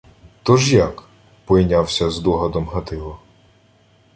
— Тож як? — пойнявся здогадом Гатило.